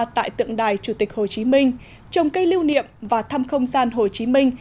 tại tượng đài chủ tịch hồ chí minh trồng cây lưu niệm và thăm không gian hồ chí minh